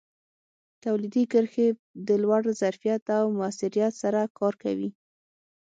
تولیدي کرښې د لوړ ظرفیت او موثریت سره کار کوي.